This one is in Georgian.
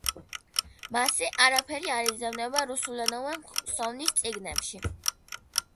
მასზე არაფერი არ იძებნება რუსულენოვან „ხსოვნის წიგნებში“.